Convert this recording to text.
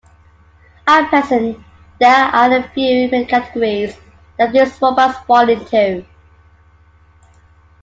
At present there are a few main categories that these robots fall into.